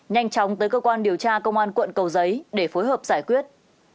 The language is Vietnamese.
nhanh chóng tới cơ quan điều tra công an quận cầu giấy để phối hợp giải quyết